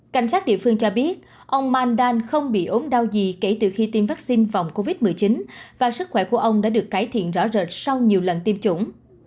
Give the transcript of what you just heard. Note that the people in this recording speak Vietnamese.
cảnh sát địa phương cho biết ông mandan không bị ốm đau gì kể từ khi tiêm vaccine phòng covid một mươi chín và sức khỏe của ông đã được cải thiện rõ rệt sau nhiều lần tiêm chủng